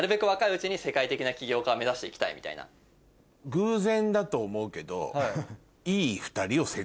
偶然だと思うけど。